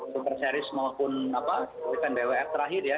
super series maupun event bwf terakhir ya